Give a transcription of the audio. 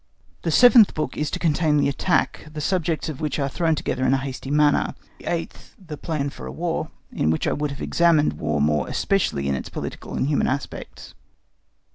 The seventh book is to contain the attack, the subjects of which are thrown together in a hasty manner: the eighth, the plan for a War, in which I would have examined War more especially in its political and human aspects.